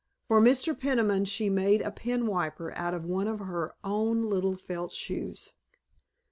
For Mr. Peniman she had made a penwiper out of one of her own little felt shoes.